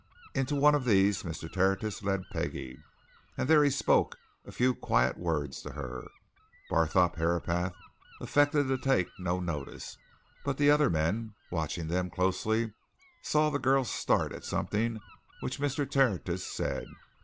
Into one of these Mr. Tertius led Peggie, and there he spoke a few quiet words to her. Barthorpe Herapath affected to take no notice, but the other men, watching them closely, saw the girl start at something which Mr. Tertius said.